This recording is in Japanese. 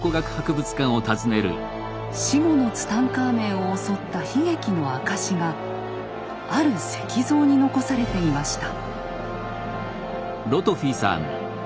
死後のツタンカーメンを襲った悲劇の証しがある石像に残されていました。